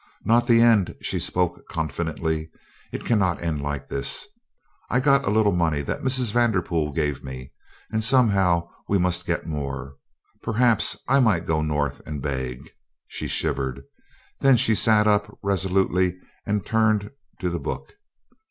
"Not the end," she spoke confidently. "It cannot end like this. I've got a little money that Mrs. Vanderpool gave me, and somehow we must get more. Perhaps I might go North and beg." She shivered. Then she sat up resolutely and turned to the book.